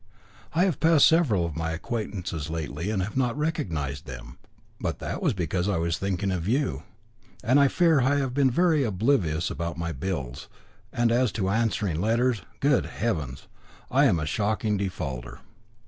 I have passed several of my acquaintances lately and have not recognised them, but that was because I was thinking of you. And I fear I have been very oblivious about my bills; and as to answering letters good heavens! I am a shocking defaulter."